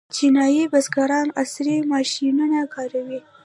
چینايي بزګران عصري ماشینونه کاروي.